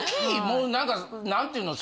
もう何か何て言うの？